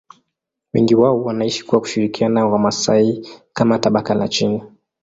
Wengi wao wanaishi kwa kushirikiana na Wamasai kama tabaka la chini.